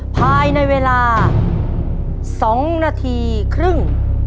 ภายในเวลา๒นาทีครึ่ง